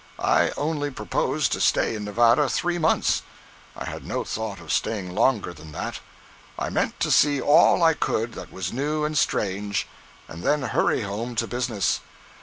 I only proposed to stay in Nevada three months—I had no thought of staying longer than that. I meant to see all I could that was new and strange, and then hurry home to business.